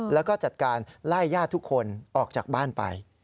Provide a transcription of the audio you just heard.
แล้วก็จัดการไล่ญาติทุกคนออกจากบ้านไป